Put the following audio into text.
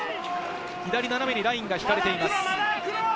左斜めにラインが引かれています。